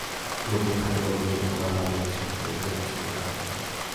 নদীর ধারে ঐ যে পোড়ো বাড়ি আছে ওখানে কিছুদিন কাটানো যাক।